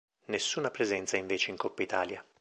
Nessuna presenza invece in Coppa Italia.